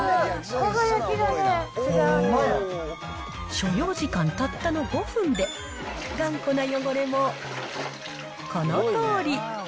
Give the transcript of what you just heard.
所要時間たったの５分で、頑固な汚れもこのとおり。